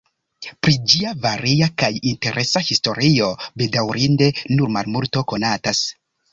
Pri ĝia varia kaj interesa historio bedaŭrinde nur malmulto konatas.